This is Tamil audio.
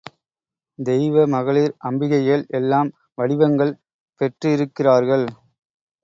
தெய்வ மகளிர் அம்பிகைகள் எல்லாம் வடிவங்கள் பெற்றிருக்கிறார்கள்.